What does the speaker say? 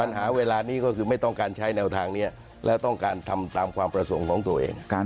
ปัญหาเวลานี้ก็คือไม่ต้องการใช้แนวทางนี้และต้องการทำตามความประสงค์ของตัวเอง